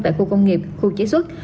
tại khu công nghiệp khu chế xuất